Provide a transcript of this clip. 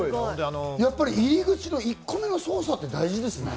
やっぱり入り口の１個目の捜査って大事ですね。